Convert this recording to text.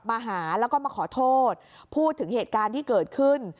มาหาแล้วก็มาขอโทษพูดถึงเหตุการณ์ที่เกิดขึ้น